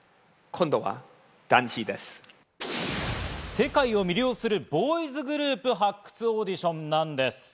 世界を魅了するボーイズグループ発掘オーディションなんです。